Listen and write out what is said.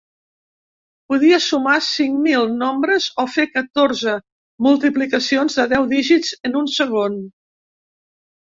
Podia sumar cinc mil nombres o fer catorze multiplicacions de deu dígits en un segon.